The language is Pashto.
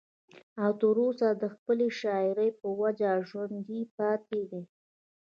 او تر اوسه د خپلې شاعرۍ پۀ وجه ژوندی پاتې دی